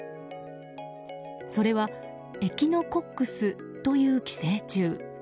それはエキノコックスという寄生虫。